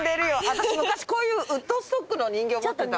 私昔こういうウッドストックの人形持ってた。